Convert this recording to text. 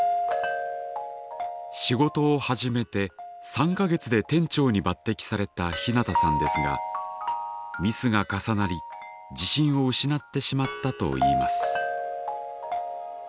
仕事を始めて３か月で店長に抜てきされたひなたさんですがミスが重なり自信を失ってしまったといいます。